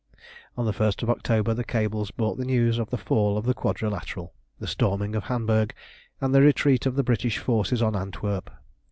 On the 1st of October the cables brought the news of the fall of the Quadrilateral, the storming of Hamburg, and the retreat of the British forces on Antwerp.